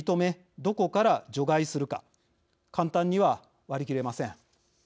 どこから除外するか簡単には割り切れません。